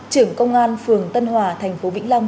trưởng công an phường tân hòa thành phố vĩnh long